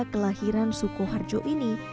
kelahiran suku harjo ini